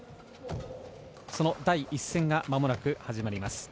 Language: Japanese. その第１戦がまもなく始まります。